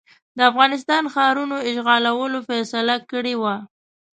د افغانستان ښارونو اشغالولو فیصله کړې وه.